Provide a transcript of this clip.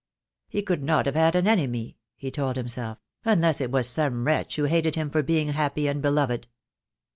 "He could not have had an enemy," he told himself, "unless it was some wretch who hated him for being happy and beloved."